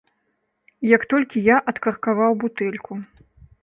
Як толькі я адкаркаваў бутэльку.